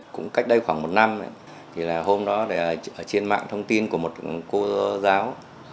cũng cách đây khoảng một năm hôm đó ở trên mạng thông tin của một cô giáo